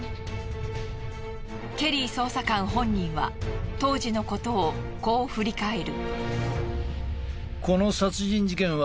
ケリー捜査官本人は当時のことをこう振り返る。